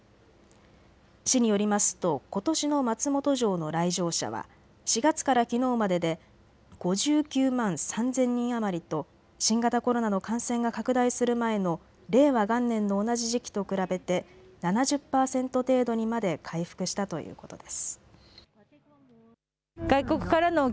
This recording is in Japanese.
市によりますと、ことしの松本城の来場者は４月からきのうまでで５９万３０００人余りと新型コロナの感染が拡大する前の令和元年の同じ時期と比べて７０％程度にまで回復したということです。